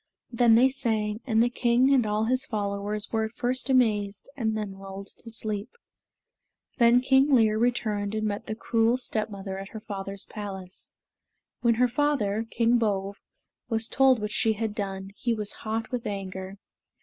Then they sang, and the king and all his followers were at first amazed and then lulled to sleep. Then King Lir returned and met the cruel stepmother at her father's palace. When her father, King Bove, was told what she had done, he was hot with anger.